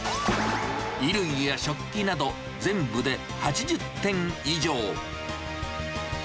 衣類や食器など、全部で８０点以上。